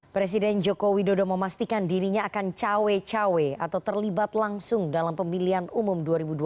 presiden joko widodo memastikan dirinya akan cawe cawe atau terlibat langsung dalam pemilihan umum dua ribu dua puluh